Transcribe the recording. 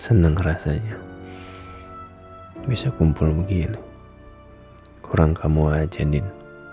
hai anak anak udah tidur seneng rasanya bisa kumpul begini hai kurang kamu aja din